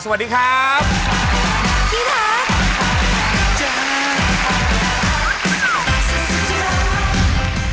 สวัสดีครับ